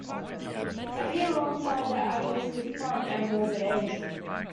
appeared alongside Agnostic Front and Morbid Angel.